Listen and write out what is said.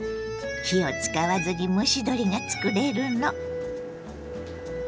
火を使わずに蒸し鶏が作れるの。